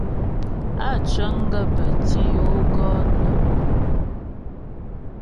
Á cəŋ gaə́ pə́ tǐ yo gɔ nəŋ.